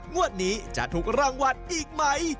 งวดนี้จะถูกรางวัลอีกไหม